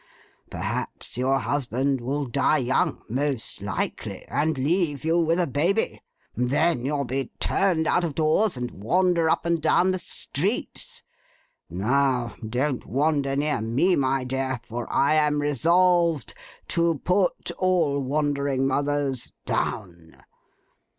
Perhaps your husband will die young (most likely) and leave you with a baby. Then you'll be turned out of doors, and wander up and down the streets. Now, don't wander near me, my dear, for I am resolved, to Put all wandering mothers Down.